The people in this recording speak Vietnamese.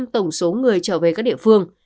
hai tổng số người trở về các địa phương